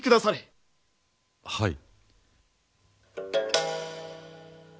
はい。